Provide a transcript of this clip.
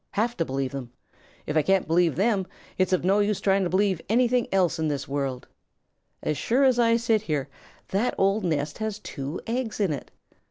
"Have to believe them. If I can't believe them, it's of no use to try to believe anything in this world. As sure as I sit here, that old nest has two eggs in it.